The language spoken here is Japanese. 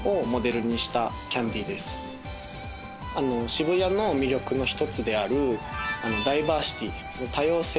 渋谷の魅力の一つであるダイバーシティ多様性